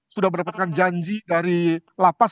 sudah mendapatkan janji dari lapas